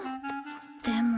でも。